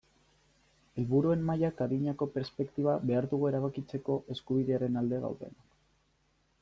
Helburuen mailak adinako perspektiba behar dugu erabakitzeko eskubidearen alde gaudenok.